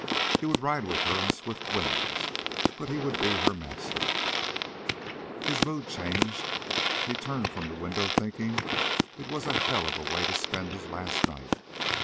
He would ride with her on swift wings. But he would be her master. His mood changed. He turned from the window thinking it was a hell of a way to spend his last night.